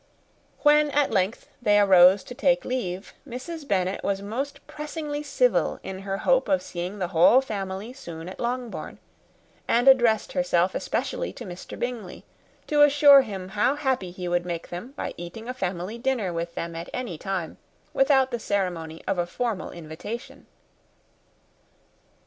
When at length they arose to take leave, Mrs. Bennet was most pressingly civil in her hope of seeing the whole family soon at Longbourn; and addressed herself particularly to Mr. Bingley, to assure him how happy he would make them, by eating a family dinner with them at any time, without the ceremony of a formal invitation.